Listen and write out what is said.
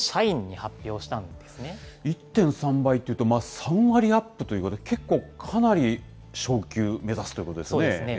１．３倍っていうと、３割アップということで、結構、かなり昇給、そうですね。